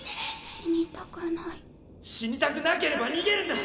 死にたく死にたくなければ逃げるんだ。